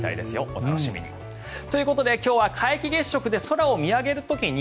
お楽しみに。ということで今日は皆既月食で空を見上げる時に